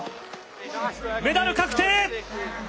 メダル確定！